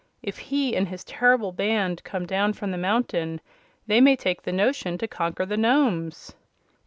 If he and his terrible band come down from the mountain they may take the notion to conquer the Nomes!"